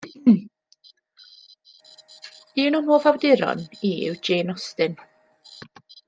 Un o'm hoff awduron i yw Jane Austen.